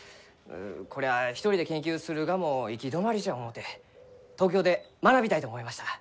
こりゃあ一人で研究するがも行き止まりじゃ思うて東京で学びたいと思いました。